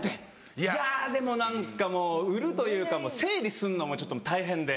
いやでも何かもう売るというか整理するのもちょっと大変で。